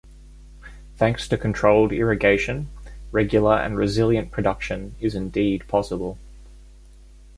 Thanks to controlled irrigation, regular and resilient production is indeed possible.